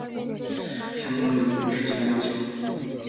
像英语文凭是基本要求。